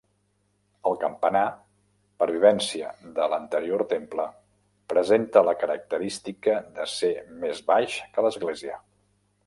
El campanar, pervivència de l'anterior temple, presenta la característica de ser més baix que l'església.